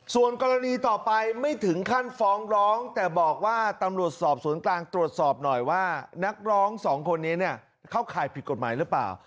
ส่วนกรณีต่อไปไม่ถึงขั้นฟ้องร้องแต่บอกว่าตำรวจสอบสวนกลางตรวจสอบหน่อยว่านักร้องสองคนนี้เนี่ยเข้าข่ายผิดกฎหมายหรือเปล่า